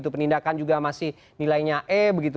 penindakan juga masih nilainya e begitu